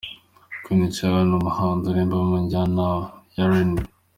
Queen Cha: ni umuhanzi uririmba mu njyana ya RnB.